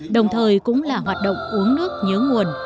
đồng thời cũng là hoạt động uống nước nhớ nguồn